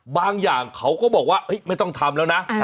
บางอย่างเขาก็บอกว่าไม่ต้องทำแล้วนะ